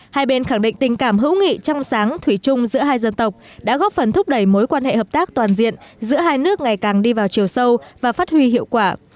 hai bên khẳng định tình cảm hữu nghị trong sáng thủy chung giữa hai dân tộc đã góp phần thúc đẩy mối quan hệ hợp tác toàn diện giữa hai nước ngày càng đi vào chiều sâu và phát huy hiệu quả